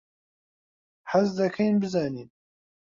حەز دەکەین بزانین.